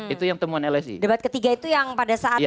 itu yang temuan lsi debat ketiga itu yang pada saat